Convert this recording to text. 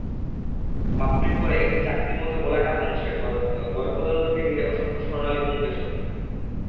পাপড়ির পরে একটি চাকতির মতো গোলাকার অংশে গর্ভদণ্ডকে ঘিরে অসংখ্য স্বর্ণালি পুংকেশর।